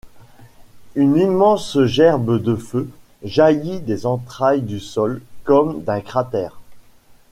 Une immense gerbe de feu jaillit des entrailles du sol comme d’un cratère.